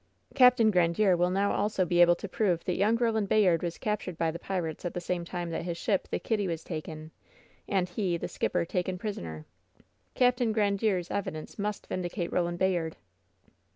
Capt. Grandiere will now also be able to prove that young Koland Bayard was captured by the pirates at the same time that his ship, the Kitty, was taken, and he, the skipper, taken prisoner. Capt. Grandiere's evi dence must vindicate Koland Bayard."